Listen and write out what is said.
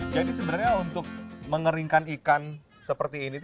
jadi sebenarnya untuk mengeringkan ikan seperti ini